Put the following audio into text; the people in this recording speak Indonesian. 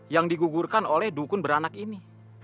yang digugurkan oleh dukun beranak ini